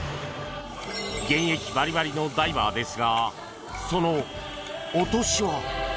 現役バリバリのダイバーですがそのお年は。